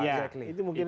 iya mungkin itu